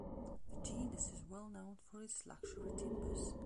The genus is well known for its luxury timbers.